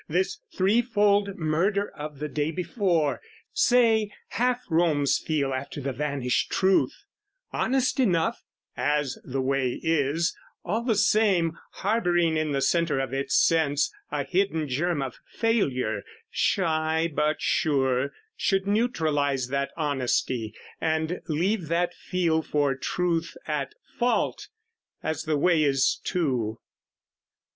This threefold murder of the day before, Say, Half Rome's feel after the vanished truth; Honest enough, as the way is: all the same, Harbouring in the centre of its sense A hidden germ of failure, shy but sure, Should neutralise that honesty and leave That feel for truth at fault, as the way is too.